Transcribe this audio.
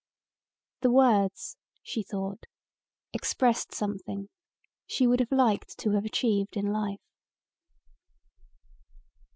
The words, she thought, expressed something she would have liked to have achieved in life.